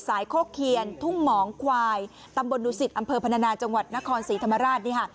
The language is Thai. โคกเคียนทุ่งหมองควายตำบลดุสิตอำเภอพนานาจังหวัดนครศรีธรรมราชนี่ค่ะ